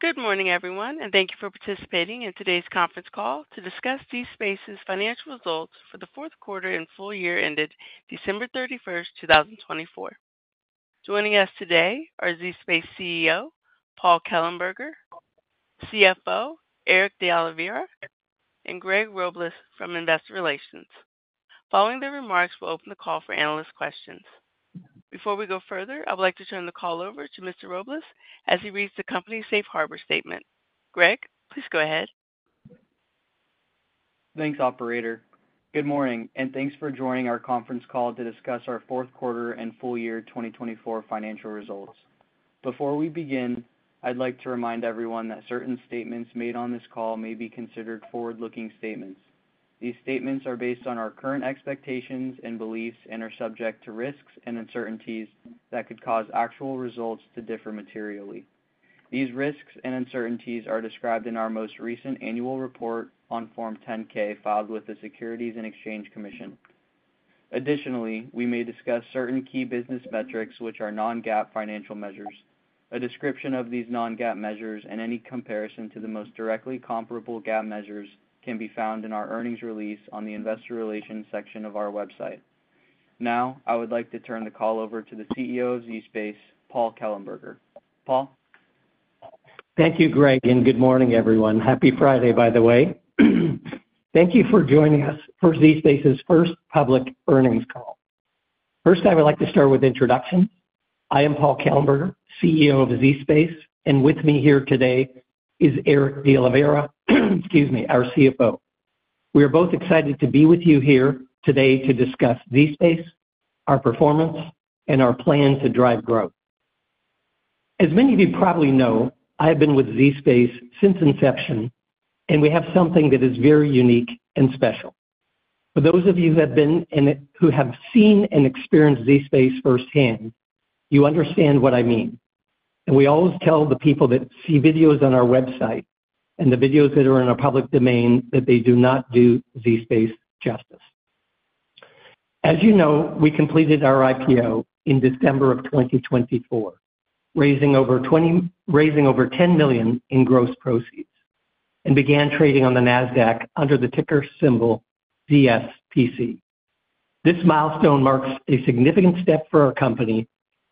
Good morning, everyone, and thank you for participating in today's conference call to discuss zSpace's Financial Results for the fourth quarter and full year ended December 31, 2024. Joining us today are zSpace CEO Paul Kellenberger, CFO Erick DeOliveira, and Greg Robles from Investor Relations. Following their remarks, we'll open the call for analyst questions. Before we go further, I would like to turn the call over to Mr. Robles as he reads the company's Safe Harbor Statement. Greg, please go ahead. Thanks, Operator. Good morning, and thanks for joining our conference call to discuss our Fourth Quarter and full year 2024 financial results. Before we begin, I'd like to remind everyone that certain statements made on this call may be considered forward-looking statements. These statements are based on our current expectations and beliefs and are subject to risks and uncertainties that could cause actual results to differ materially. These risks and uncertainties are described in our most recent annual report on Form 10-K filed with the Securities and Exchange Commission. Additionally, we may discuss certain key business metrics, which are non-GAAP financial measures. A description of these non-GAAP measures and any comparison to the most directly comparable GAAP measures can be found in our earnings release on the Investor Relations section of our website. Now, I would like to turn the call over to the CEO of zSpace, Paul Kellenberger. Paul? Thank you, Greg, and good morning, everyone. Happy Friday, by the way. Thank you for joining us for zSpace's first public earnings call. First, I would like to start with introductions. I am Paul Kellenberger, CEO of zSpace, and with me here today is Erick DeOliveira, excuse me, our CFO. We are both excited to be with you here today to discuss zSpace, our performance, and our plan to drive growth. As many of you probably know, I have been with zSpace since inception, and we have something that is very unique and special. For those of you who have been and who have seen and experienced zSpace firsthand, you understand what I mean. We always tell the people that see videos on our website and the videos that are in our public domain that they do not do zSpace justice. As you know, we completed our IPO in December of 2024, raising over $10 million in gross proceeds and began trading on the NASDAQ under the ticker symbol ZSPC. This milestone marks a significant step for our company,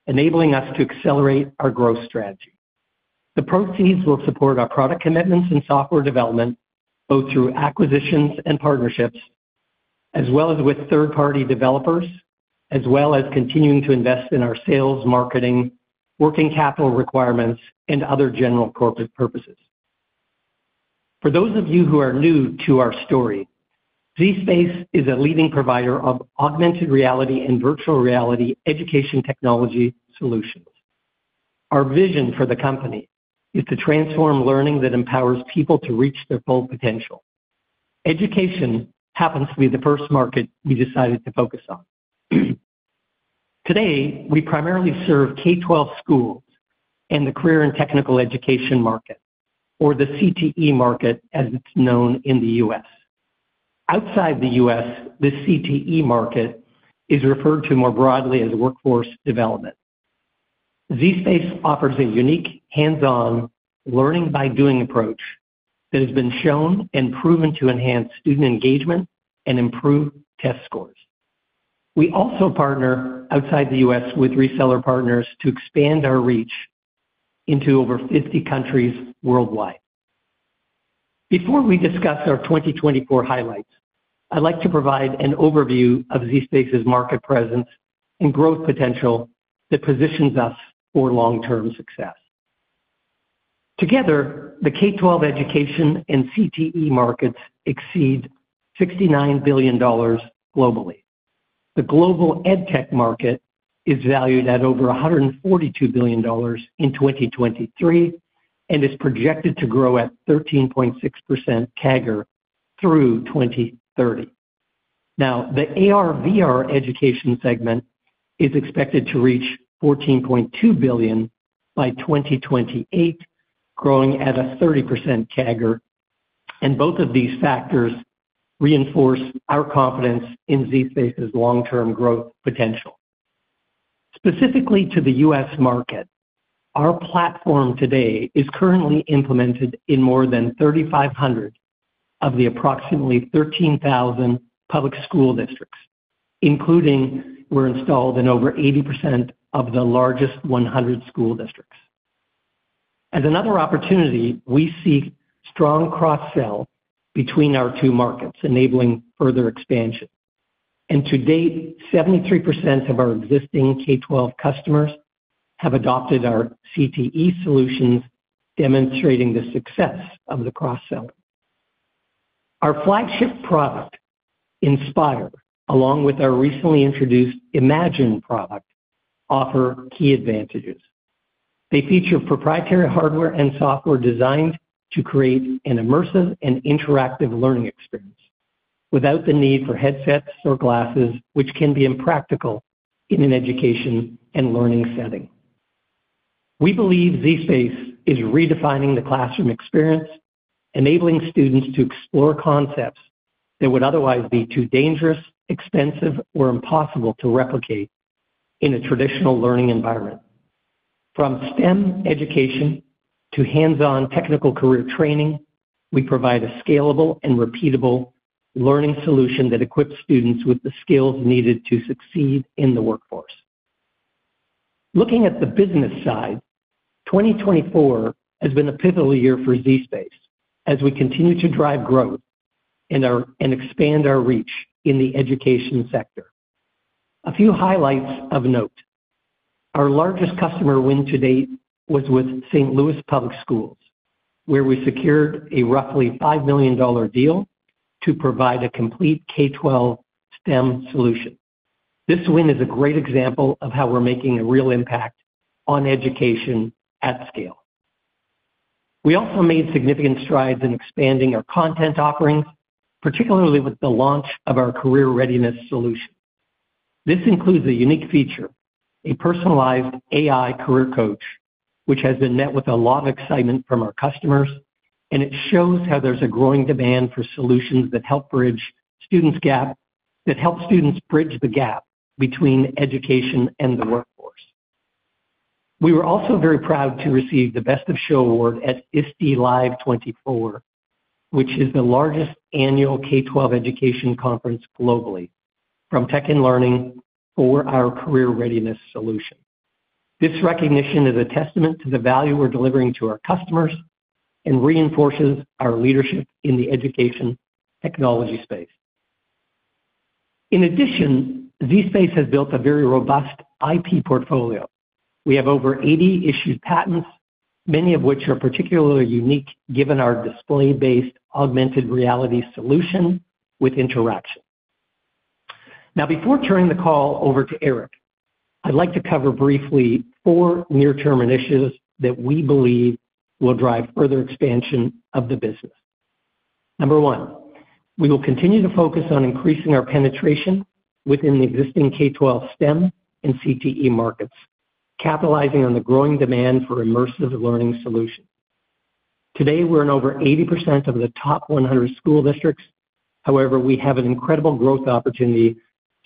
enabling us to accelerate our growth strategy. The proceeds will support our product commitments and software development, both through acquisitions and partnerships, as well as with third-party developers, as well as continuing to invest in our sales, marketing, working capital requirements, and other general corporate purposes. For those of you who are new to our story, zSpace is a leading provider of augmented reality and virtual reality education technology solutions. Our vision for the company is to transform learning that empowers people to reach their full potential. Education happens to be the first market we decided to focus on. Today, we primarily serve K-12 schools and the career and technical education market, or the CTE market as it's known in the U.S. Outside the U.S., the CTE market is referred to more broadly as workforce development. zSpace offers a unique hands-on learning by doing approach that has been shown and proven to enhance student engagement and improve test scores. We also partner outside the U.S. with reseller partners to expand our reach into over 50 countries worldwide. Before we discuss our 2024 highlights, I'd like to provide an overview of zSpace's market presence and growth potential that positions us for long-term success. Together, the K-12 education and CTE markets exceed $69 billion globally. The global edtech market is valued at over $142 billion in 2023 and is projected to grow at 13.6% CAGR through 2030. Now, the AR/VR education segment is expected to reach $14.2 billion by 2028, growing at a 30% CAGR, and both of these factors reinforce our confidence in zSpace's long-term growth potential. Specifically to the U.S. market, our platform today is currently implemented in more than 3,500 of the approximately 13,000 public school districts, including we're installed in over 80% of the largest 100 school districts. As another opportunity, we see strong cross-sell between our two markets, enabling further expansion. To date, 73% of our existing K-12 customers have adopted our CTE solutions, demonstrating the success of the cross-sell. Our flagship product, Inspire, along with our recently introduced Imagine product, offer key advantages. They feature proprietary hardware and software designed to create an immersive and interactive learning experience without the need for headsets or glasses, which can be impractical in an education and learning setting. We believe zSpace is redefining the classroom experience, enabling students to explore concepts that would otherwise be too dangerous, expensive, or impossible to replicate in a traditional learning environment. From STEM education to hands-on technical career training, we provide a scalable and repeatable learning solution that equips students with the skills needed to succeed in the workforce. Looking at the business side, 2024 has been a pivotal year for zSpace as we continue to drive growth and expand our reach in the education sector. A few highlights of note: our largest customer win to date was with St. Louis Public Schools, where we secured a roughly $5 million deal to provide a complete K-12 STEM solution. This win is a great example of how we're making a real impact on education at scale. We also made significant strides in expanding our content offerings, particularly with the launch of our career readiness solution. This includes a unique feature, a personalized AI Career Coach, which has been met with a lot of excitement from our customers, and it shows how there's a growing demand for solutions that help students bridge the gap between education and the workforce. We were also very proud to receive the Best of Show Award at ISTE Live 24, which is the largest annual K-12 education conference globally, from Tech & Learning for our career readiness solution. This recognition is a testament to the value we're delivering to our customers and reinforces our leadership in the education technology space. In addition, zSpace has built a very robust IP portfolio. We have over 80 issued patents, many of which are particularly unique given our display-based augmented reality solution with interaction. Now, before turning the call over to Erick, I'd like to cover briefly four near-term initiatives that we believe will drive further expansion of the business. Number one, we will continue to focus on increasing our penetration within the existing K-12 STEM and CTE markets, capitalizing on the growing demand for immersive learning solutions. Today, we're in over 80% of the top 100 school districts. However, we have an incredible growth opportunity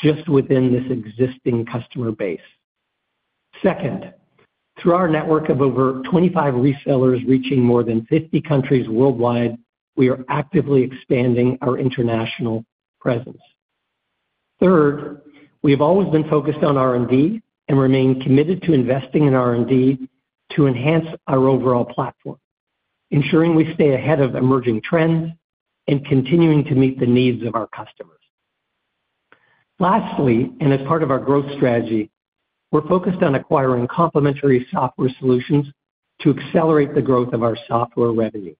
just within this existing customer base. Second, through our network of over 25 resellers reaching more than 50 countries worldwide, we are actively expanding our international presence. Third, we have always been focused on R&D and remain committed to investing in R&D to enhance our overall platform, ensuring we stay ahead of emerging trends and continuing to meet the needs of our customers. Lastly, and as part of our growth strategy, we're focused on acquiring complementary software solutions to accelerate the growth of our software revenue.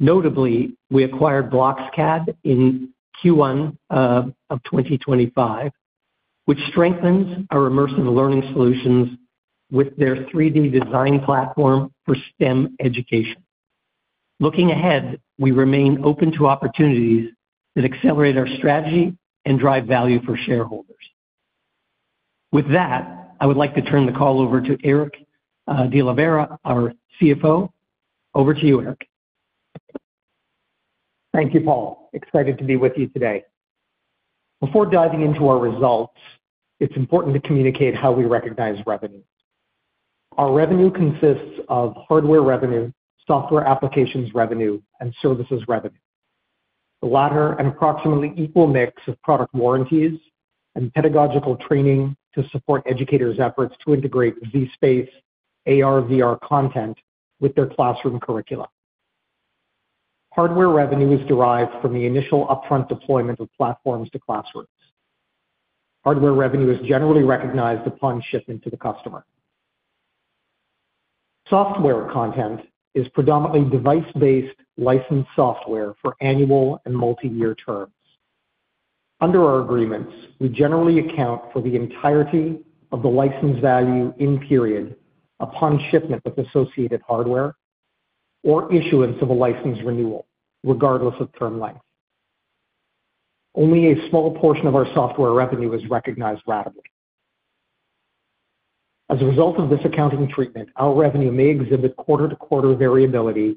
Notably, we acquired BlocksCAD in Q1 of 2025, which strengthens our immersive learning solutions with their 3D design platform for STEM education. Looking ahead, we remain open to opportunities that accelerate our strategy and drive value for shareholders. With that, I would like to turn the call over to Erick DeOliveira, our CFO. Over to you, Erick. Thank you, Paul. Excited to be with you today. Before diving into our results, it's important to communicate how we recognize revenue. Our revenue consists of hardware revenue, software applications revenue, and services revenue. The latter is an approximately equal mix of product warranties and pedagogical training to support educators' efforts to integrate zSpace AR/VR content with their classroom curricula. Hardware revenue is derived from the initial upfront deployment of platforms to classrooms. Hardware revenue is generally recognized upon shipment to the customer. Software content is predominantly device-based licensed software for annual and multi-year terms. Under our agreements, we generally account for the entirety of the license value in period upon shipment of associated hardware or issuance of a license renewal, regardless of term length. Only a small portion of our software revenue is recognized randomly. As a result of this accounting treatment, our revenue may exhibit quarter-to-quarter variability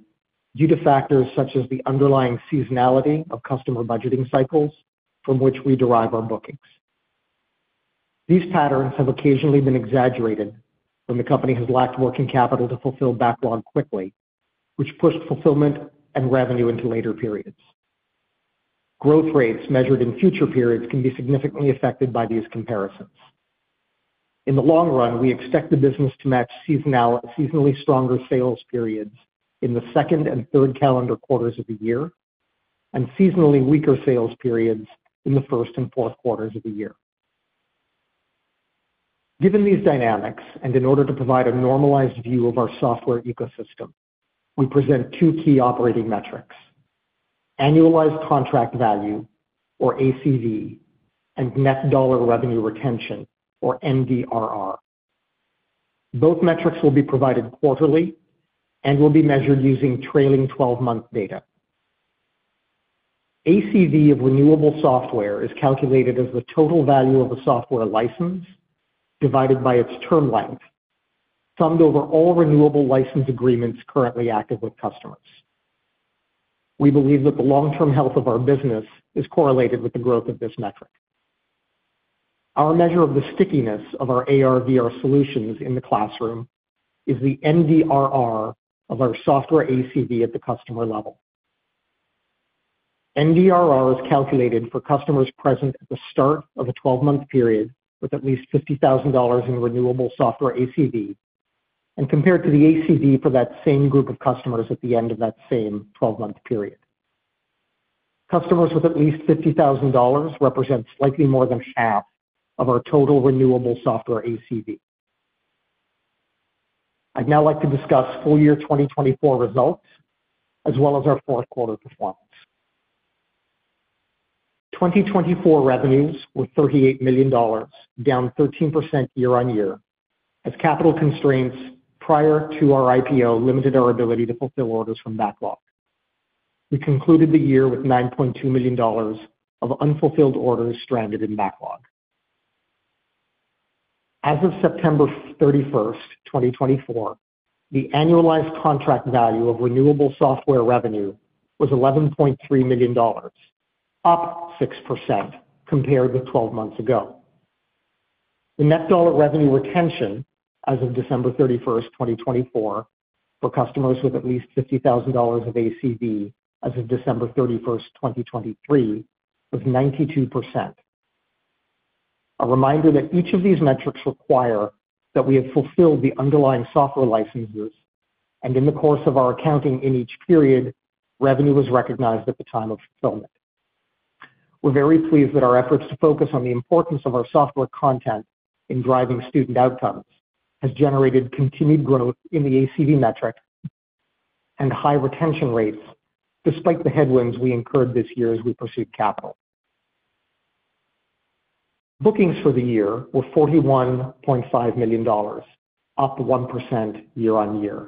due to factors such as the underlying seasonality of customer budgeting cycles from which we derive our bookings. These patterns have occasionally been exaggerated when the company has lacked working capital to fulfill backlog quickly, which pushed fulfillment and revenue into later periods. Growth rates measured in future periods can be significantly affected by these comparisons. In the long run, we expect the business to match seasonally stronger sales periods in the second and third calendar quarters of the year and seasonally weaker sales periods in the first and fourth quarters of the year. Given these dynamics, and in order to provide a normalized view of our software ecosystem, we present two key operating metrics: annualized contract value, or ACV, and net dollar revenue retention, or NDRR. Both metrics will be provided quarterly and will be measured using trailing 12-month data. ACV of renewable software is calculated as the total value of a software license divided by its term length, summed over all renewable license agreements currently active with customers. We believe that the long-term health of our business is correlated with the growth of this metric. Our measure of the stickiness of our AR/VR solutions in the classroom is the NDRR of our software ACV at the customer level. NDRR is calculated for customers present at the start of a 12-month period with at least $50,000 in renewable software ACV and compared to the ACV for that same group of customers at the end of that same 12-month period. Customers with at least $50,000 represent slightly more than half of our total renewable software ACV. I'd now like to discuss full year 2024 results as well as our fourth quarter performance. 2024 revenues were $38 million, down 13% year-on-year, as capital constraints prior to our IPO limited our ability to fulfill orders from backlog. We concluded the year with $9.2 million of unfulfilled orders stranded in backlog. As of September 31, 2024, the annualized contract value of renewable software revenue was $11.3 million, up 6% compared with 12 months ago. The net dollar revenue retention as of December 31, 2024, for customers with at least $50,000 of ACV as of December 31, 2023, was 92%. A reminder that each of these metrics requires that we have fulfilled the underlying software licenses, and in the course of our accounting in each period, revenue was recognized at the time of fulfillment. We're very pleased that our efforts to focus on the importance of our software content in driving student outcomes have generated continued growth in the ACV metric and high retention rates despite the headwinds we incurred this year as we pursued capital. Bookings for the year were $41.5 million, up 1% year-on-year.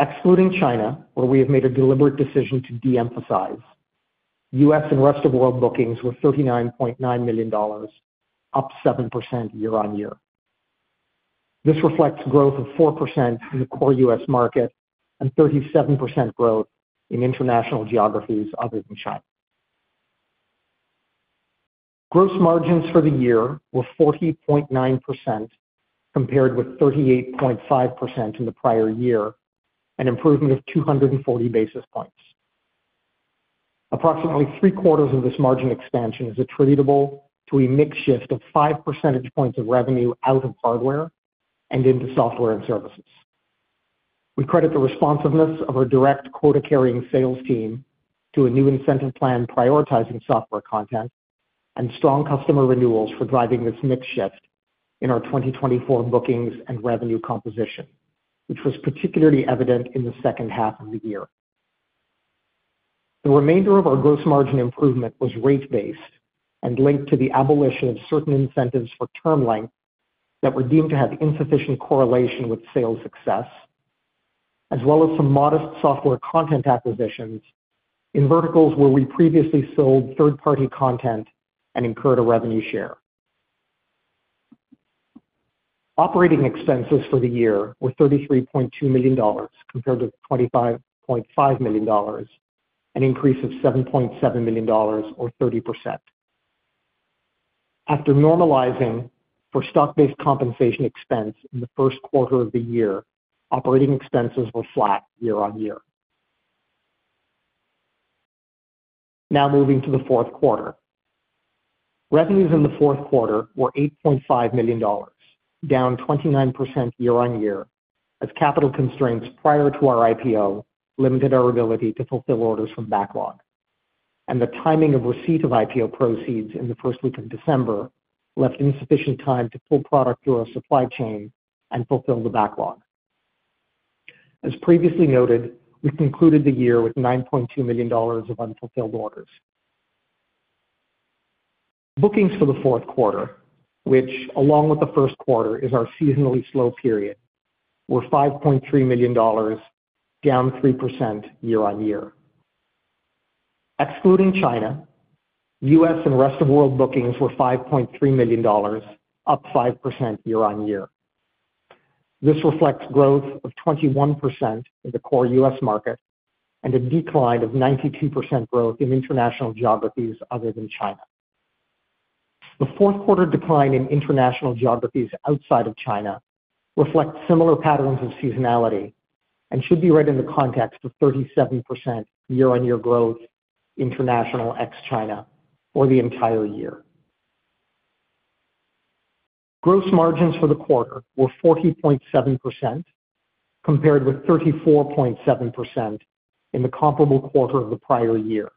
Excluding China, where we have made a deliberate decision to de-emphasize, U.S. and rest of world bookings were $39.9 million, up 7% year-on-year. This reflects growth of 4% in the core U.S. market and 37% growth in international geographies other than China. Gross margins for the year were 40.9% compared with 38.5% in the prior year, an improvement of 240 basis points. Approximately three-quarters of this margin expansion is attributable to a mixed shift of 5 percentage points of revenue out of hardware and into software and services. We credit the responsiveness of our direct quota-carrying sales team to a new incentive plan prioritizing software content and strong customer renewals for driving this mixed shift in our 2024 bookings and revenue composition, which was particularly evident in the second half of the year. The remainder of our gross margin improvement was rate-based and linked to the abolition of certain incentives for term length that were deemed to have insufficient correlation with sales success, as well as some modest software content acquisitions in verticals where we previously sold third-party content and incurred a revenue share. Operating expenses for the year were $33.2 million compared with $25.5 million, an increase of $7.7 million, or 30%. After normalizing for stock-based compensation expense in the first quarter of the year, operating expenses were flat year-on-year. Now moving to the fourth quarter. Revenues in the fourth quarter were $8.5 million, down 29% year-on-year, as capital constraints prior to our IPO limited our ability to fulfill orders from backlog. The timing of receipt of IPO proceeds in the first week of December left insufficient time to pull product through our supply chain and fulfill the backlog. As previously noted, we concluded the year with $9.2 million of unfulfilled orders. Bookings for the fourth quarter, which, along with the first quarter, is our seasonally slow period, were $5.3 million, down 3% year-on-year. Excluding China, U.S. and rest of world bookings were $5.3 million, up 5% year-on-year. This reflects growth of 21% in the core U.S. market and a decline of 92% growth in international geographies other than China. The fourth quarter decline in international geographies outside of China reflects similar patterns of seasonality and should be read in the context of 37% year-on-year growth international ex-China for the entire year. Gross margins for the quarter were 40.7% compared with 34.7% in the comparable quarter of the prior year,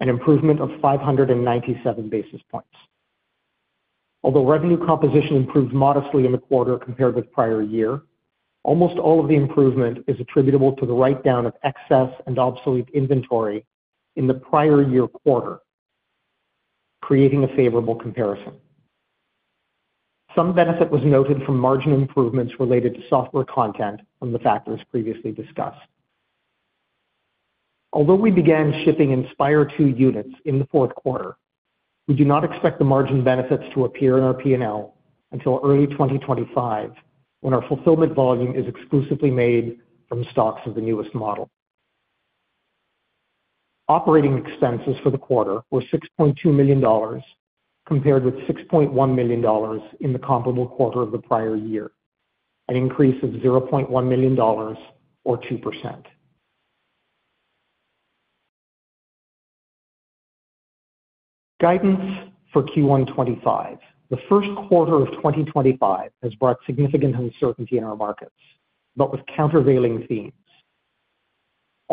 an improvement of 597 basis points. Although revenue composition improved modestly in the quarter compared with prior year, almost all of the improvement is attributable to the write-down of excess and obsolete inventory in the prior year quarter, creating a favorable comparison. Some benefit was noted from margin improvements related to software content from the factors previously discussed. Although we began shipping Inspire 2 units in the fourth quarter, we do not expect the margin benefits to appear in our P&L until early 2025 when our fulfillment volume is exclusively made from stocks of the newest model. Operating expenses for the quarter were $6.2 million compared with $6.1 million in the comparable quarter of the prior year, an increase of $0.1 million, or 2%. Guidance for Q1 2025. The first quarter of 2025 has brought significant uncertainty in our markets, but with countervailing themes.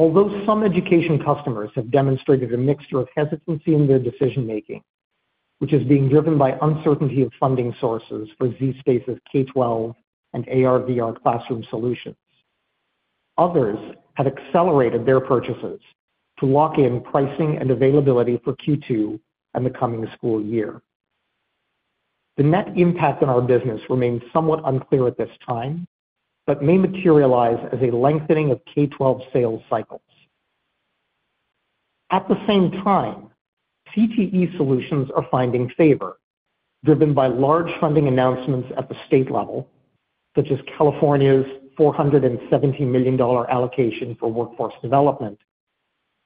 Although some education customers have demonstrated a mixture of hesitancy in their decision-making, which is being driven by uncertainty of funding sources for zSpace's K-12 and AR/VR classroom solutions, others have accelerated their purchases to lock in pricing and availability for Q2 and the coming school year. The net impact on our business remains somewhat unclear at this time, but may materialize as a lengthening of K-12 sales cycles. At the same time, CTE solutions are finding favor, driven by large funding announcements at the state level, such as California's $470 million allocation for workforce development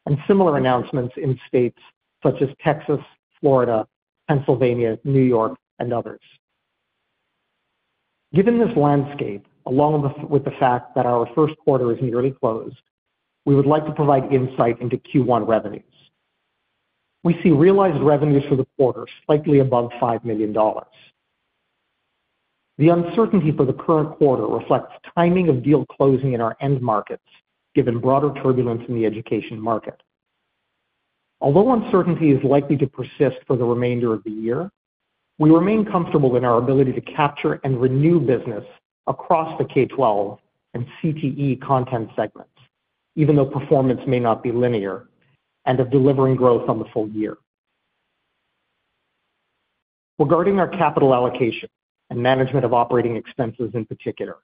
and similar announcements in states such as Texas, Florida, Pennsylvania, New York, and others. Given this landscape, along with the fact that our first quarter is nearly closed, we would like to provide insight into Q1 revenues. We see realized revenues for the quarter slightly above $5 million. The uncertainty for the current quarter reflects timing of deal closing in our end markets, given broader turbulence in the education market. Although uncertainty is likely to persist for the remainder of the year, we remain comfortable in our ability to capture and renew business across the K-12 and CTE content segments, even though performance may not be linear, and of delivering growth on the full year. Regarding our capital allocation and management of operating expenses in particular,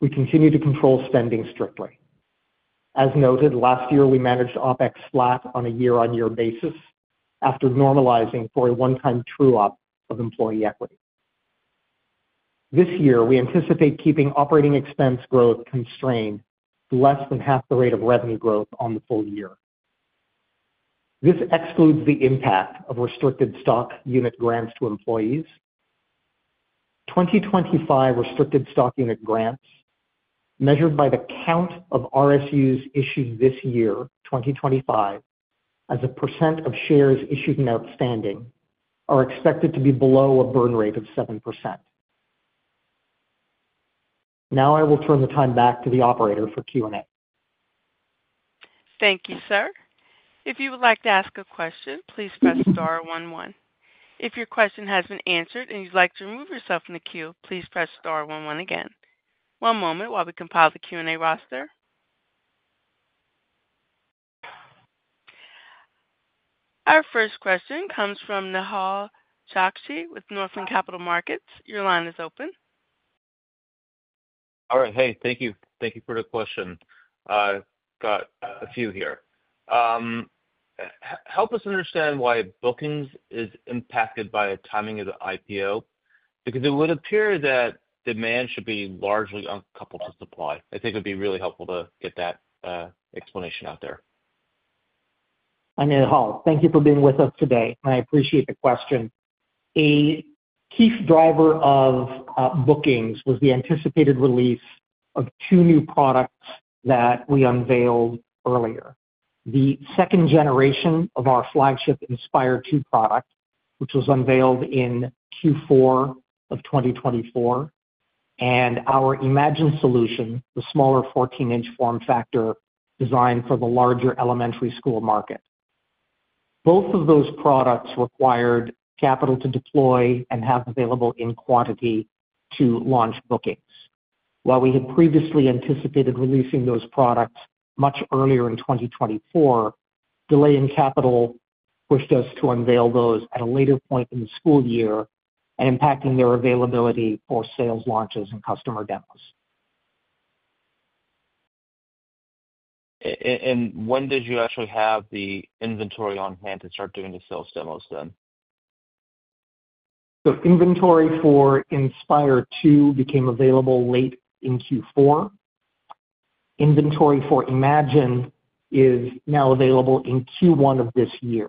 we continue to control spending strictly. As noted, last year, we managed OpEx flat on a year-on-year basis after normalizing for a one-time true-up of employee equity. This year, we anticipate keeping operating expense growth constrained to less than half the rate of revenue growth on the full year. This excludes the impact of restricted stock unit grants to employees. 2025 restricted stock unit grants, measured by the count of RSUs issued this year, 2025, as a percent of shares issued and outstanding, are expected to be below a burn rate of 7%. Now I will turn the time back to the operator for Q&A. Thank you, sir. If you would like to ask a question, please press star one one. If your question has been answered and you'd like to remove yourself from the queue, please press star one one again. One moment while we compile the Q&A roster. Our first question comes from Nehal Chokshi with Northland Capital Markets. Your line is open. All right. Hey, thank you. Thank you for the question. I've got a few here. Help us understand why bookings is impacted by the timing of the IPO, because it would appear that demand should be largely uncoupled to supply. I think it would be really helpful to get that explanation out there. Hi, Nehal. Thank you for being with us today. I appreciate the question. A key driver of bookings was the anticipated release of two new products that we unveiled earlier. The second generation of our flagship Inspire 2 product, which was unveiled in Q4 of 2024, and our Imagine solution, the smaller 14-inch form factor designed for the larger elementary school market. Both of those products required capital to deploy and have available in quantity to launch bookings. While we had previously anticipated releasing those products much earlier in 2024, delay in capital pushed us to unveil those at a later point in the school year and impacting their availability for sales launches and customer demos. When did you actually have the inventory on hand to start doing the sales demos then? Inventory for Inspire 2 became available late in Q4. Inventory for Imagine is now available in Q1 of this year.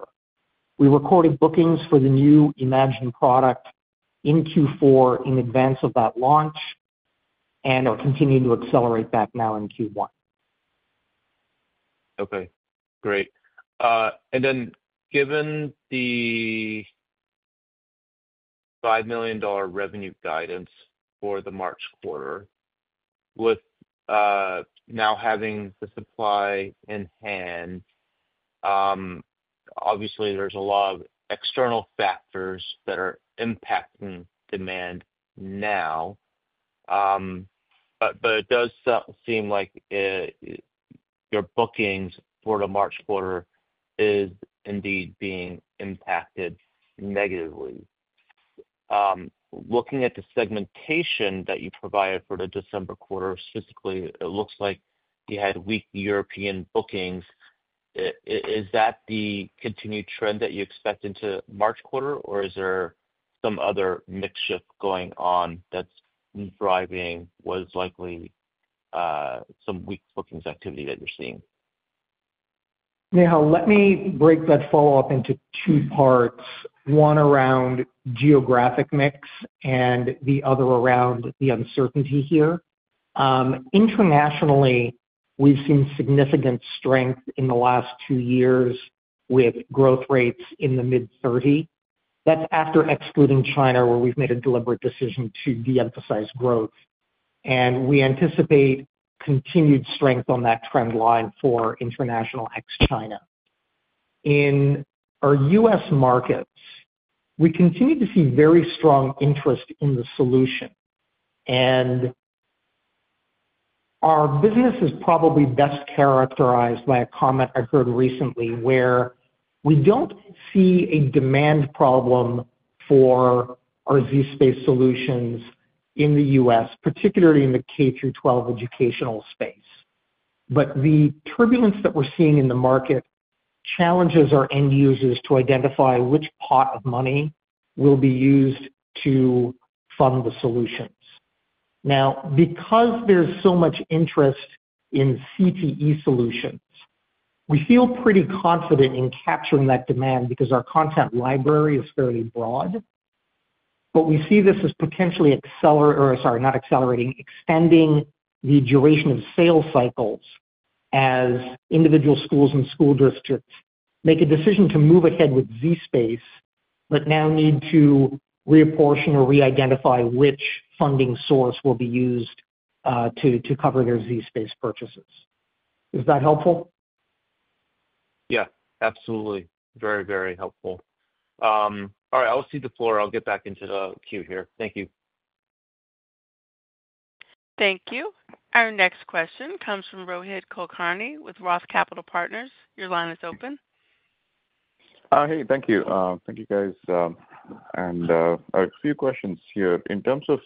We recorded bookings for the new Imagine product in Q4 in advance of that launch and are continuing to accelerate back now in Q1. Okay. Great. Given the $5 million revenue guidance for the March quarter, with now having the supply in hand, obviously, there is a lot of external factors that are impacting demand now. It does seem like your bookings for the March quarter are indeed being impacted negatively. Looking at the segmentation that you provided for the December quarter, specifically, it looks like you had weak European bookings. Is that the continued trend that you expect into March quarter, or is there some other mixture going on that is driving what is likely some weak bookings activity that you are seeing? Nehal, let me break that follow-up into two parts. One around geographic mix and the other around the uncertainty here. Internationally, we've seen significant strength in the last two years with growth rates in the mid-30%. That is after excluding China, where we've made a deliberate decision to de-emphasize growth. We anticipate continued strength on that trend line for international ex-China. In our U.S. markets, we continue to see very strong interest in the solution. Our business is probably best characterized by a comment I heard recently where we do not see a demand problem for our zSpace solutions in the U.S., particularly in the K through 12 educational space. The turbulence that we are seeing in the market challenges our end users to identify which pot of money will be used to fund the solutions. Now, because there's so much interest in CTE solutions, we feel pretty confident in capturing that demand because our content library is fairly broad. We see this as potentially extending the duration of sales cycles as individual schools and school districts make a decision to move ahead with zSpace, but now need to reapportion or re-identify which funding source will be used to cover their zSpace purchases. Is that helpful? Yeah. Absolutely. Very, very helpful. All right. I'll cede the floor. I'll get back into the queue here. Thank you. Thank you. Our next question comes from Rohit Kulkarni with ROTH Capital Partners. Your line is open. Hey, thank you. Thank you, guys. A few questions here. In terms of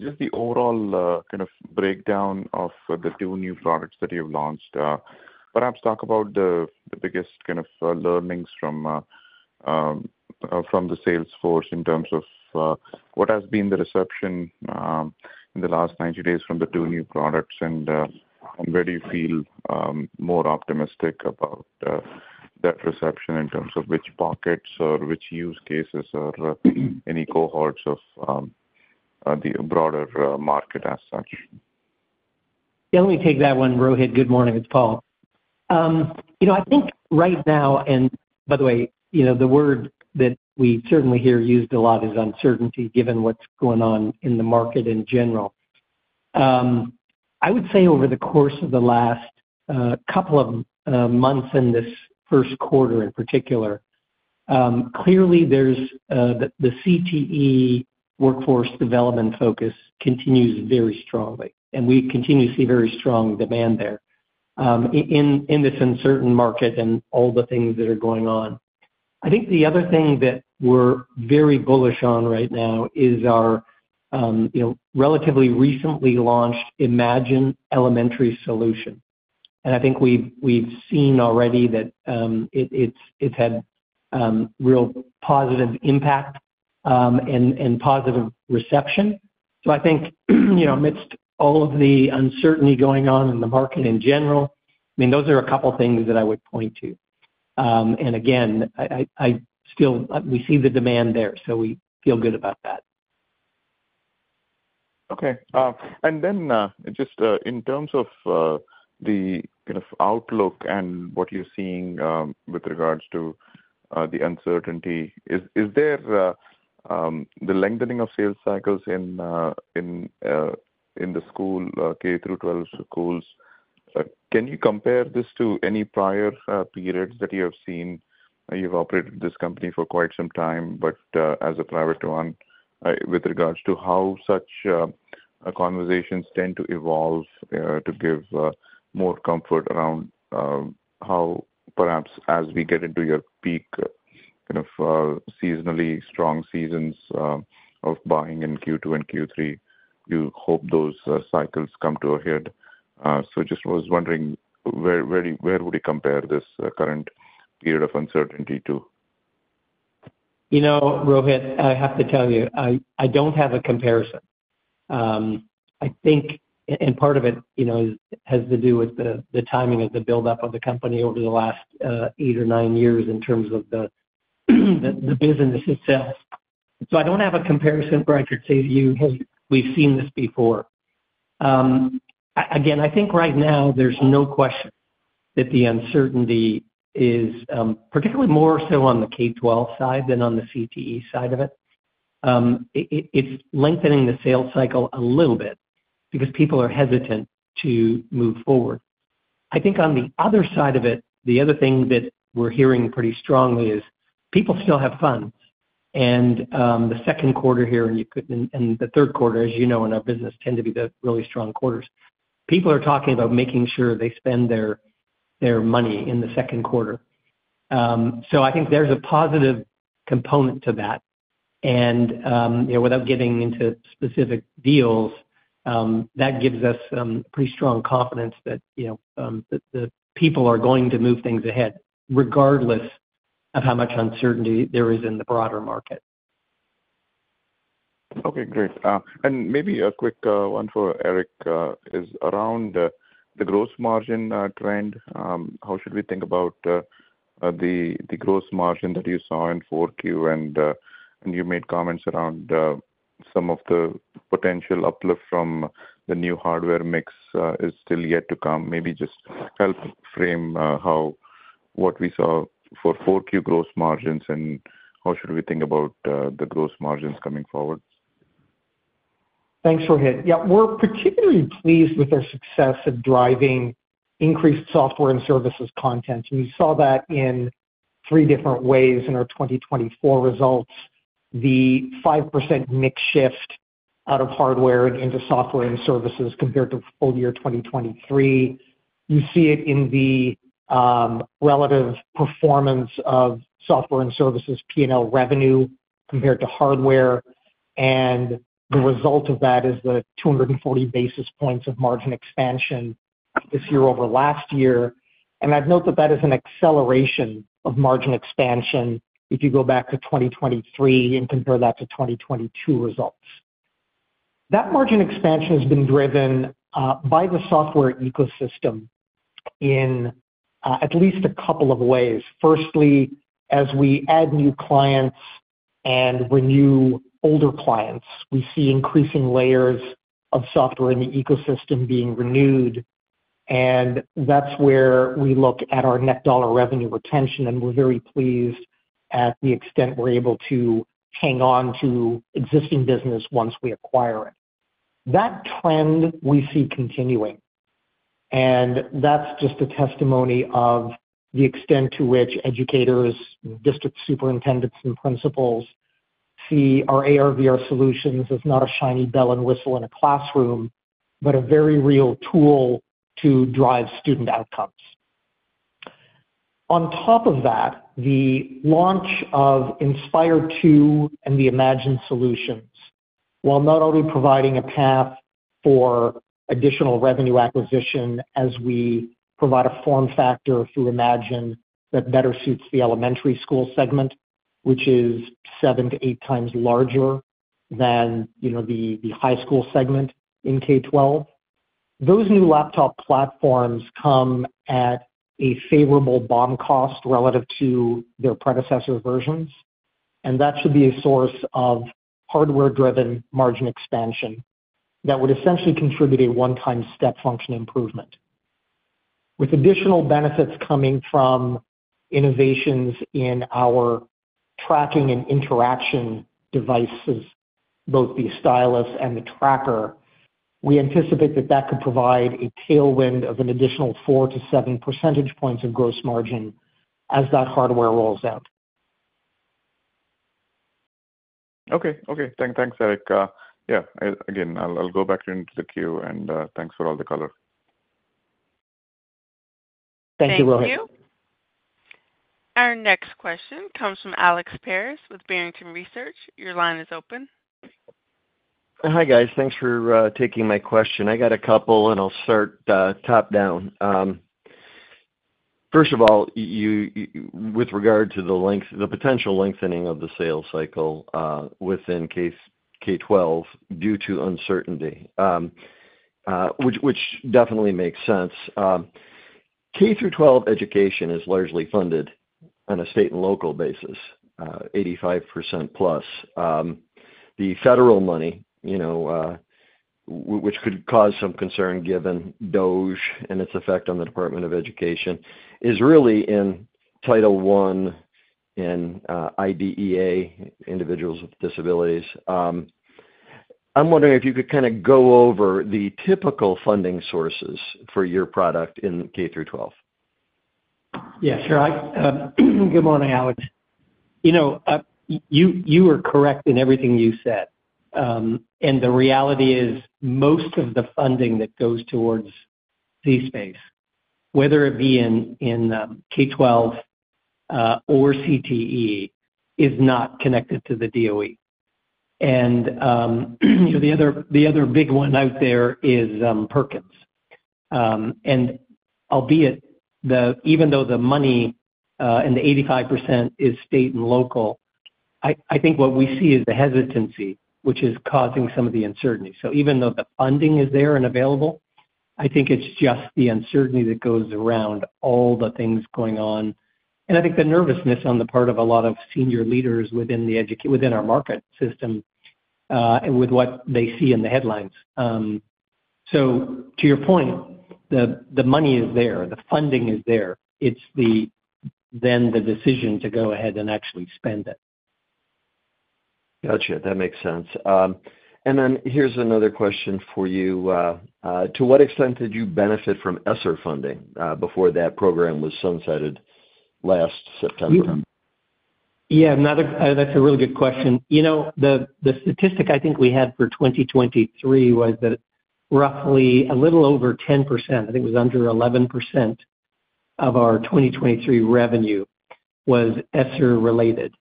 just the overall kind of breakdown of the two new products that you've launched, perhaps talk about the biggest kind of learnings from the sales force Yeah, let me take that one. Rohit, good morning. It's Paul. I think right now—the word that we certainly hear used a lot is uncertainty, given what's going on in the market in general. I would say over the course of the last couple of months in this first quarter in particular, clearly, the CTE workforce development focus continues very strongly, and we continue to see very strong demand there in this uncertain market and all the things that are going on. I think the other thing that we're very bullish on right now is our relatively recently launched Imagine Elementary solution. I think we've seen already that it's had real positive impact and positive reception. I think amidst all of the uncertainty going on in the market in general, I mean, those are a couple of things that I would point to. We see the demand there, so we feel good about that. Okay. In terms of the kind of outlook and what you're seeing with regards to the uncertainty, is there the lengthening of sales cycles in the school, K-12 schools? Can you compare this to any prior periods that you have seen? You've operated this company for quite some time, but as a private one, with regards to how such conversations tend to evolve to give more comfort around how, perhaps, as we get into your peak kind of seasonally strong seasons of buying in Q2 and Q3, you hope those cycles come to a head. I was just wondering, where would you compare this current period of uncertainty to? Rohit, I have to tell you, I don't have a comparison. I think, and part of it has to do with the timing of the buildup of the company over the last eight or nine years in terms of the business itself. I don't have a comparison where I could say to you, "Hey, we've seen this before." I think right now, there's no question that the uncertainty is particularly more so on the K-12 side than on the CTE side of it. It's lengthening the sales cycle a little bit because people are hesitant to move forward. I think on the other side of it, the other thing that we're hearing pretty strongly is people still have funds. The second quarter here, and the third quarter, as you know, in our business, tend to be the really strong quarters. People are talking about making sure they spend their money in the second quarter. I think there's a positive component to that. Without getting into specific deals, that gives us pretty strong confidence that the people are going to move things ahead, regardless of how much uncertainty there is in the broader market. Okay. Great. Maybe a quick one for Erick is around the gross margin trend. How should we think about the gross margin that you saw in Q4? You made comments around some of the potential uplift from the new hardware mix is still yet to come. Maybe just help frame what we saw for Q4 gross margins, and how should we think about the gross margins coming forward? Thanks, Rohit. Yeah, we're particularly pleased with our success in driving increased software and services content. We saw that in three different ways in our 2024 results: the 5% mix shift out of hardware and into software and services compared to full year 2023. You see it in the relative performance of software and services P&L revenue compared to hardware. The result of that is the 240 basis points of margin expansion this year over last year. I'd note that that is an acceleration of margin expansion if you go back to 2023 and compare that to 2022 results. That margin expansion has been driven by the software ecosystem in at least a couple of ways. Firstly, as we add new clients and renew older clients, we see increasing layers of software in the ecosystem being renewed. That is where we look at our net dollar revenue retention, and we are very pleased at the extent we are able to hang on to existing business once we acquire it. That trend we see continuing. That is just a testimony of the extent to which educators, district superintendents, and principals see our AR/VR solutions as not a shiny bell and whistle in a classroom, but a very real tool to drive student outcomes. On top of that, the launch of Inspire 2 and the Imagine solution, while not only providing a path for additional revenue acquisition as we provide a form factor through Imagine that better suits the elementary school segment, which is seven to eight times larger than the high school segment in K-12, those new laptop platforms come at a favorable BOM cost relative to their predecessor versions. That should be a source of hardware-driven margin expansion that would essentially contribute a one-time step function improvement. With additional benefits coming from innovations in our tracking and interaction devices, both the stylus and the tracker, we anticipate that that could provide a tailwind of an additional 4-7 percentage points of gross margin as that hardware rolls out. Okay. Okay. Thanks, Erick. Yeah. Again, I'll go back into the queue, and thanks for all the color. Thank you, Rohit. Thank you. Our next question comes from Alex Paris with Barrington Research. Your line is open. Hi, guys. Thanks for taking my question. I got a couple, and I'll start top down. First of all, with regard to the potential lengthening of the sales cycle within K-12 due to uncertainty, which definitely makes sense. K through 12 education is largely funded on a state and local basis, 85% plus. The federal money, which could cause some concern given DOE and its effect on the Department of Education, is really in Title I and IDEA, individuals with disabilities. I'm wondering if you could kind of go over the typical funding sources for your product in K through 12. Yeah. Sure. Good morning, Alex. You are correct in everything you said. The reality is most of the funding that goes towards zSpace, whether it be in K-12 or CTE, is not connected to the DOE. The other big one out there is Perkins. Even though the money and the 85% is state and local, I think what we see is the hesitancy, which is causing some of the uncertainty. Even though the funding is there and available, I think it's just the uncertainty that goes around all the things going on. I think the nervousness on the part of a lot of senior leaders within our market system with what they see in the headlines. To your point, the money is there. The funding is there. It's then the decision to go ahead and actually spend it. Gotcha. That makes sense. Here's another question for you. To what extent did you benefit from ESSER funding before that program was sunsetted last September? Yeah. That's a really good question. The statistic I think we had for 2023 was that roughly a little over 10%, I think it was under 11% of our 2023 revenue, was ESSER-related.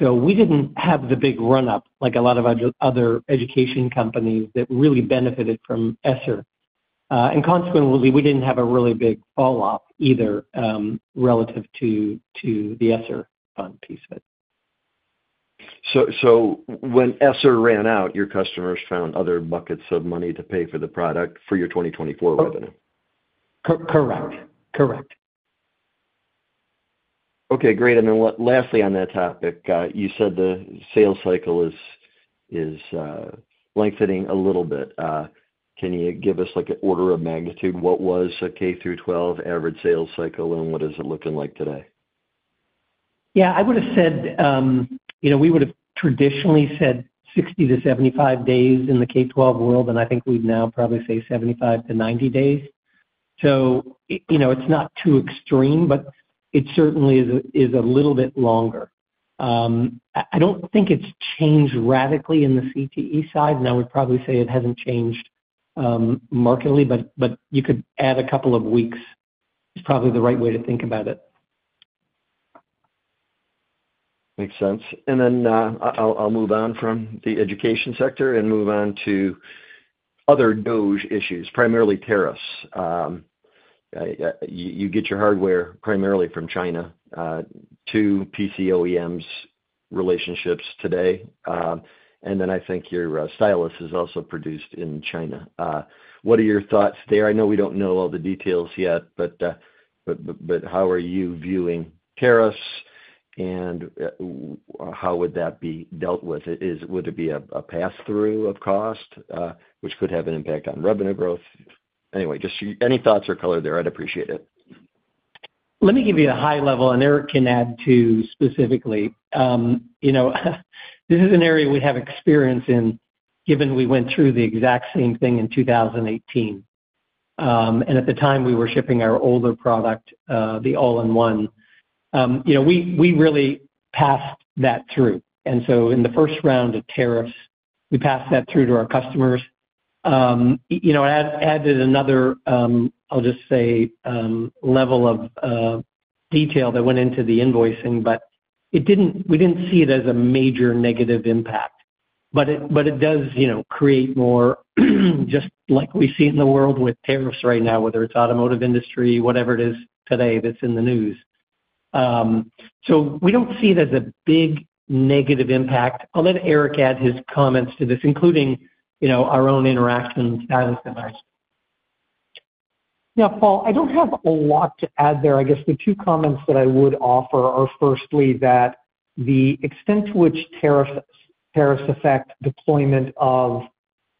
We did not have the big run-up like a lot of other education companies that really benefited from ESSER. Consequently, we did not have a really big fall-off either relative to the ESSER fund piece of it. When ESSER ran out, your customers found other buckets of money to pay for the product for your 2024 revenue? Correct. Correct. Okay. Great. Lastly, on that topic, you said the sales cycle is lengthening a little bit. Can you give us an order of magnitude? What was a K through 12 average sales cycle, and what is it looking like today? Yeah. I would have said we would have traditionally said 60 to 75 days in the K-12 world, and I think we'd now probably say 75 to 90 days. It is not too extreme, but it certainly is a little bit longer. I don't think it's changed radically in the CTE side. I would probably say it hasn't changed markedly, but you could add a couple of weeks is probably the right way to think about it. Makes sense. I'll move on from the education sector and move on to other DOGE issues, primarily tariffs. You get your hardware primarily from China to PC OEMs relationships today. I think your stylus is also produced in China. What are your thoughts there? I know we don't know all the details yet, but how are you viewing tariffs, and how would that be dealt with? Would it be a pass-through of cost, which could have an impact on revenue growth? Anyway, just any thoughts or color there. I'd appreciate it. Let me give you a high level, and Erick can add to specifically. This is an area we have experience in, given we went through the exact same thing in 2018. At the time, we were shipping our older product, the all-in-one. We really passed that through. In the first round of tariffs, we passed that through to our customers. It added another, I'll just say, level of detail that went into the invoicing, but we didn't see it as a major negative impact. It does create more, just like we see in the world with tariffs right now, whether it's automotive industry, whatever it is today that's in the news. We don't see it as a big negative impact. I'll let Erick add his comments to this, including our own interaction with the stylus device. Yeah, Paul, I don't have a lot to add there. I guess the two comments that I would offer are firstly that the extent to which tariffs affect deployment of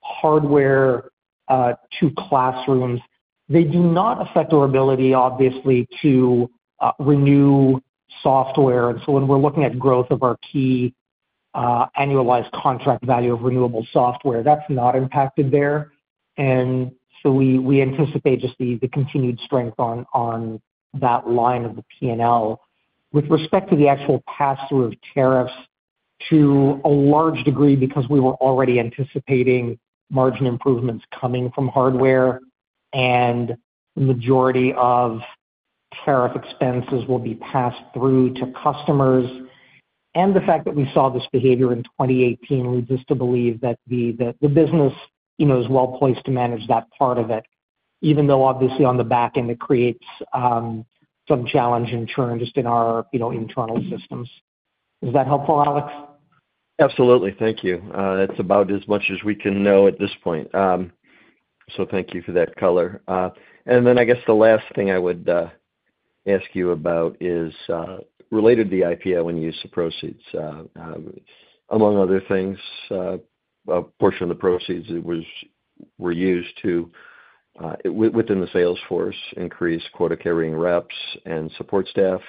hardware to classrooms, they do not affect our ability, obviously, to renew software. When we're looking at growth of our key annualized contract value of renewable software, that's not impacted there. We anticipate just the continued strength on that line of the P&L with respect to the actual pass-through of tariffs to a large degree because we were already anticipating margin improvements coming from hardware, and the majority of tariff expenses will be passed through to customers. The fact that we saw this behavior in 2018 leads us to believe that the business is well placed to manage that part of it, even though, obviously, on the back end, it creates some challenge and churn just in our internal systems. Is that helpful, Alex? Absolutely. Thank you. That's about as much as we can know at this point. Thank you for that color. I guess the last thing I would ask you about is related to the IPO and use of proceeds. Among other things, a portion of the proceeds were used to, within the sales force, increase quota carrying reps and support staff.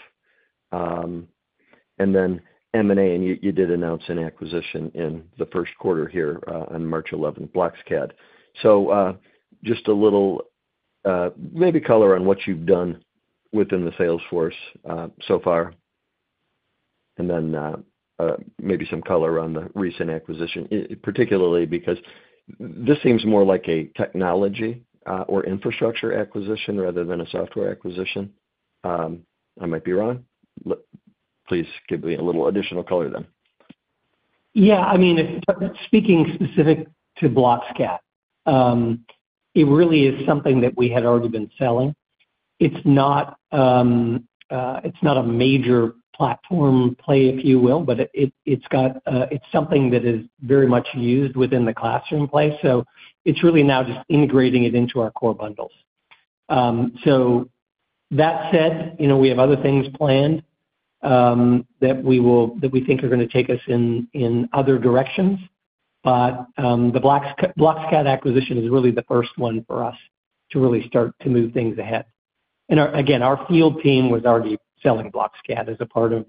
M&A, and you did announce an acquisition in the first quarter here on March 11, BlocksCAD. Just a little maybe color on what you've done within the sales force so far, and then maybe some color on the recent acquisition, particularly because this seems more like a technology or infrastructure acquisition rather than a software acquisition. I might be wrong. Please give me a little additional color then. Yeah. I mean, speaking specific to BlocksCAD, it really is something that we had already been selling. It's not a major platform play, if you will, but it's something that is very much used within the classroom play. It's really now just integrating it into our core bundles. That said, we have other things planned that we think are going to take us in other directions. The BlocksCAD acquisition is really the first one for us to really start to move things ahead. Again, our field team was already selling BlocksCAD as a part of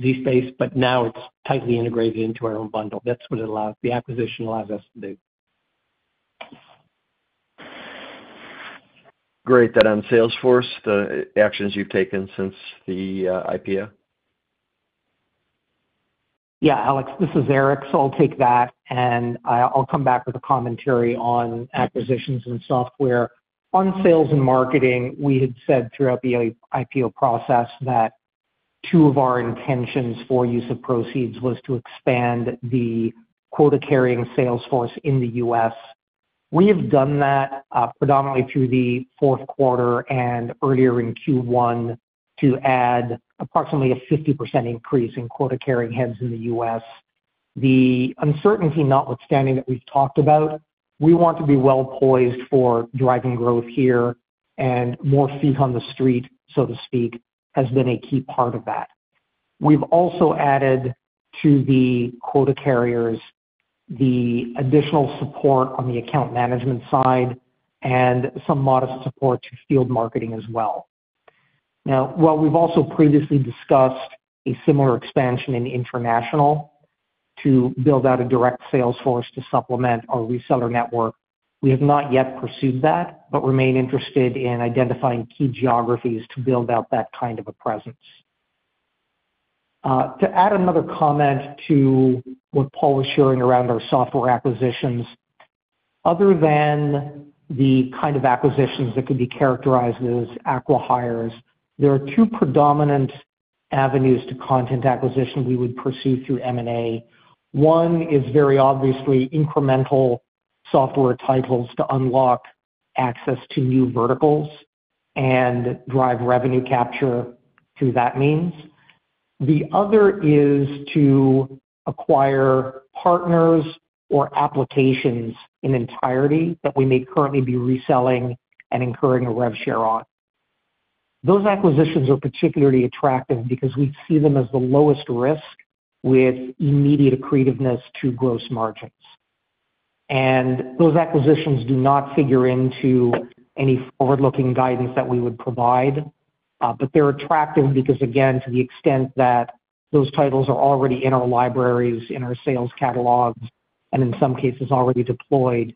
zSpace, but now it's tightly integrated into our own bundle. That's what the acquisition allows us to do. Great. That on sales force, the actions you've taken since the IPO? Yeah, Alex, this is Erick. I'll take that, and I'll come back with a commentary on acquisitions and software. On sales and marketing, we had said throughout the IPO process that two of our intentions for use of proceeds was to expand the quota carrying sales force in the U.S. We have done that predominantly through the fourth quarter and earlier in Q1 to add approximately a 50% increase in quota carrying heads in the U.S. The uncertainty notwithstanding that we've talked about, we want to be well poised for driving growth here, and more feet on the street, so to speak, has been a key part of that. We've also added to the quota carriers the additional support on the account management side and some modest support to field marketing as well. Now, while we've also previously discussed a similar expansion in international to build out a direct sales force to supplement our reseller network, we have not yet pursued that but remain interested in identifying key geographies to build out that kind of a presence. To add another comment to what Paul was sharing around our software acquisitions, other than the kind of acquisitions that could be characterized as acqui-hires, there are two predominant avenues to content acquisition we would pursue through M&A. One is very obviously incremental software titles to unlock access to new verticals and drive revenue capture through that means. The other is to acquire partners or applications in entirety that we may currently be reselling and incurring a rev share on. Those acquisitions are particularly attractive because we see them as the lowest risk with immediate accretiveness to gross margins. Those acquisitions do not figure into any forward-looking guidance that we would provide, but they're attractive because, again, to the extent that those titles are already in our libraries, in our sales catalogs, and in some cases already deployed,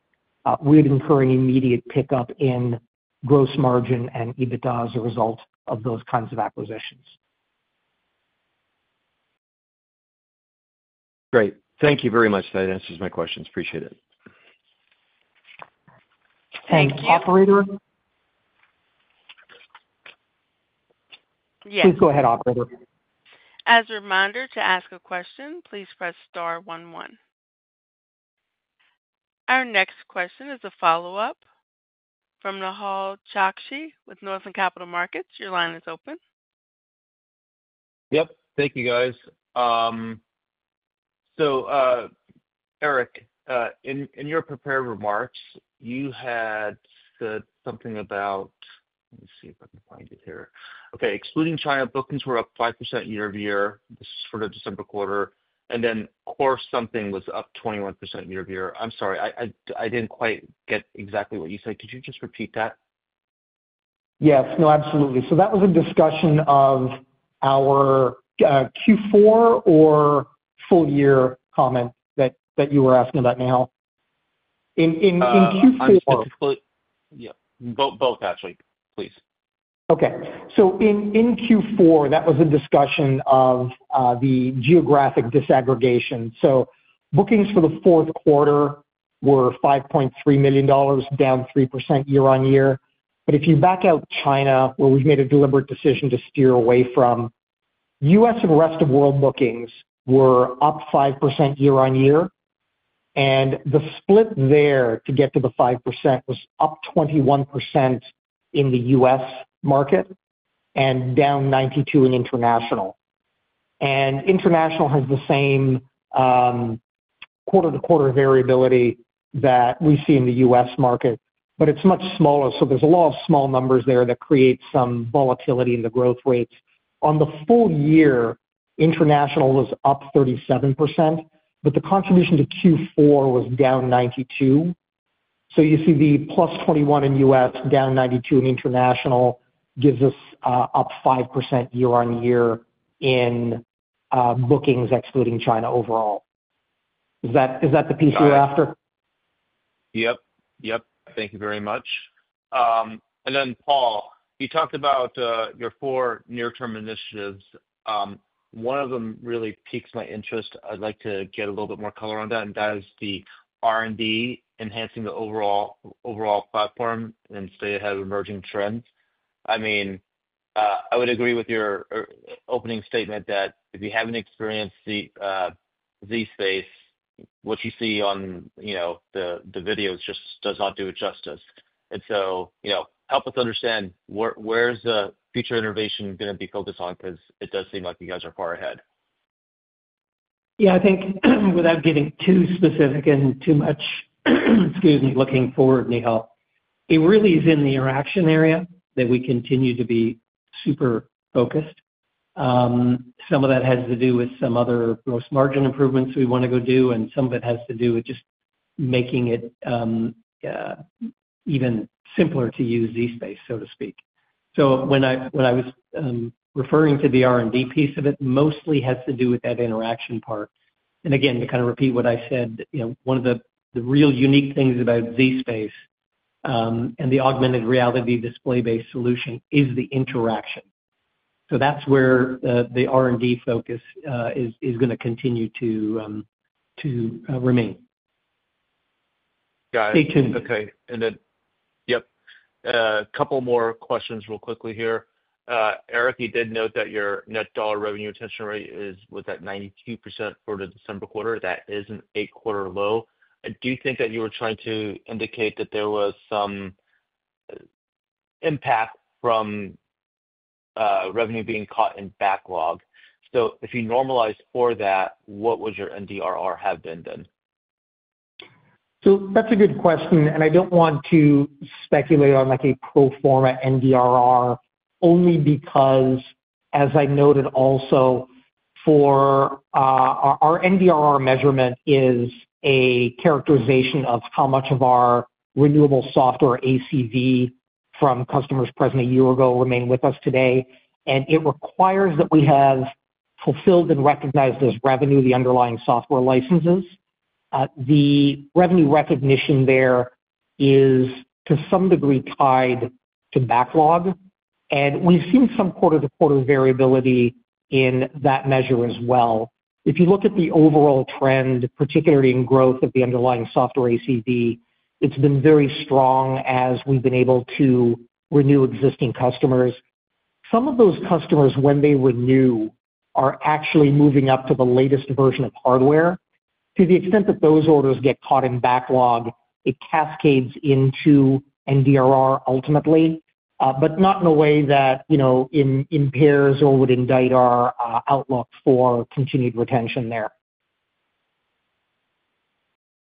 we'd incur an immediate pickup in gross margin and EBITDA as a result of those kinds of acquisitions. Great. Thank you very much. That answers my questions. Appreciate it. Thank you. Operator? Yes. Please go ahead, Operator. As a reminder, to ask a question, please press star one one. Our next question is a follow-up from Nehal Chokshi with Northland Capital Markets. Your line is open. Yep. Thank you, guys. Eric, in your prepared remarks, you had said something about—let me see if I can find it here. Okay. Excluding China, bookings were up 5% year-over-year for the December quarter. And then Core Something was up 21% year-over-year. I'm sorry. I didn't quite get exactly what you said. Could you just repeat that? Yes. No, absolutely. That was a discussion of our Q4 or full-year comment that you were asking about, Nehal? In Q4. Both, actually. Please. Okay. In Q4, that was a discussion of the geographic disaggregation. Bookings for the fourth quarter were $5.3 million, down 3% year-on-year. If you back out China, where we've made a deliberate decision to steer away from, U.S. and rest of world bookings were up 5% year-on-year. The split there to get to the 5% was up 21% in the U.S. market and down 92% in international. International has the same quarter-to-quarter variability that we see in the U.S. market, but it's much smaller. There are a lot of small numbers there that create some volatility in the growth rates. On the full year, international was up 37%, but the contribution to Q4 was down 92%. You see the plus 21% in U.S., down 92% in international gives us up 5% year-on-year in bookings excluding China overall. Is that the piece you're after? Yep. Yep. Thank you very much. Paul, you talked about your four near-term initiatives. One of them really piques my interest. I'd like to get a little bit more color on that. That is the R&D, enhancing the overall platform and stay ahead of emerging trends. I mean, I would agree with your opening statement that if you haven't experienced zSpace, what you see on the videos just does not do it justice. Help us understand where's the future innovation going to be focused on because it does seem like you guys are far ahead. Yeah. I think without getting too specific and too much—excuse me—looking forward, Nehal, it really is in the interaction area that we continue to be super focused. Some of that has to do with some other gross margin improvements we want to go do, and some of it has to do with just making it even simpler to use zSpace, so to speak. When I was referring to the R&D piece of it, mostly has to do with that interaction part. Again, to kind of repeat what I said, one of the real unique things about zSpace and the augmented reality display-based solution is the interaction. That is where the R&D focus is going to continue to remain. Got it. Stay tuned. Okay. Yep. A couple more questions real quickly here. Erick, you did note that your net dollar revenue retention rate was at 92% for the December quarter. That is an eight-quarter low. I do think that you were trying to indicate that there was some impact from revenue being caught in backlog. If you normalize for that, what would your NDRR have been then? That's a good question. I don't want to speculate on a pro forma NDRR only because, as I noted also, our NDRR measurement is a characterization of how much of our renewable software ACV from customers present a year ago remain with us today. It requires that we have fulfilled and recognized as revenue the underlying software licenses. The revenue recognition there is, to some degree, tied to backlog. We've seen some quarter-to-quarter variability in that measure as well. If you look at the overall trend, particularly in growth of the underlying software ACV, it's been very strong as we've been able to renew existing customers. Some of those customers, when they renew, are actually moving up to the latest version of hardware. To the extent that those orders get caught in backlog, it cascades into NDRR ultimately, but not in a way that impairs or would indict our outlook for continued retention there.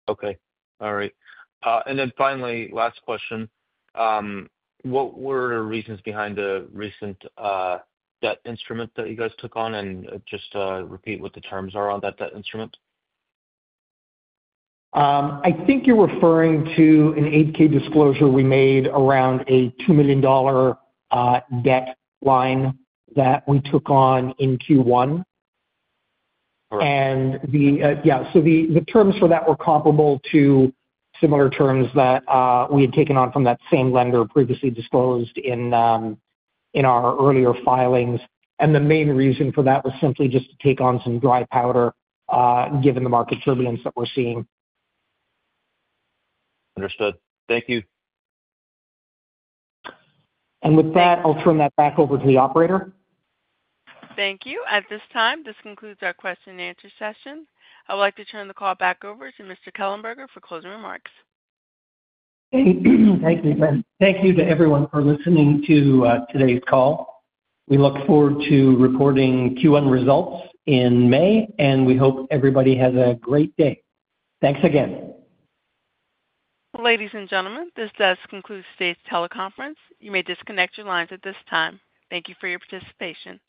Okay. All right. Finally, last question. What were the reasons behind the recent debt instrument that you guys took on? Just repeat what the terms are on that debt instrument. I think you're referring to an 8K disclosure we made around a $2 million debt line that we took on in Q1. Correct. The terms for that were comparable to similar terms that we had taken on from that same lender previously disclosed in our earlier filings. The main reason for that was simply just to take on some dry powder given the market turbulence that we're seeing. Understood. Thank you. With that, I'll turn that back over to the operator. Thank you. At this time, this concludes our question-and-answer session. I would like to turn the call back over to Mr. Kellenberger for closing remarks. Thank you. Thank you to everyone for listening to today's call. We look forward to reporting Q1 results in May, and we hope everybody has a great day. Thanks again. Ladies and gentlemen, this does conclude today's teleconference. You may disconnect your lines at this time. Thank you for your participation.